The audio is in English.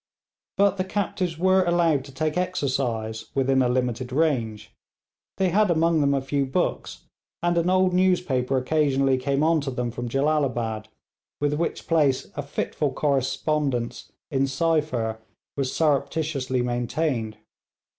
But the captives were allowed to take exercise within a limited range; they had among them a few books, and an old newspaper occasionally came on to them from Jellalabad, with which place a fitful correspondence in cypher was surreptitiously maintained.